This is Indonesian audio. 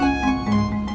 bapak juga begitu